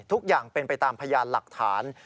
ทุกอย่างเป็นไปตามพยานหลักฐาน